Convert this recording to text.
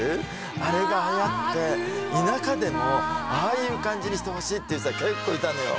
あれがはやって田舎でもああいう感じにしてほしいっていう人は結構いたのよ